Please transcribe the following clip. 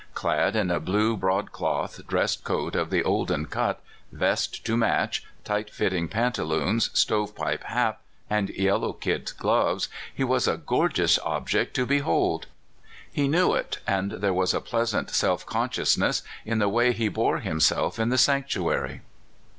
Clad in a blue broad cloth dress coat of the olden cut, vest to match, tight fitting pantaloons, stove pipe hat, and yel low kid gloves, he was a gorgeous object to be hold. He knew it, and there was a pleasant self consciousness in the way he bore himself in the sanctuary.